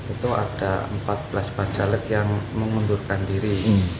itu ada empat belas bacalek yang mengundurkan diri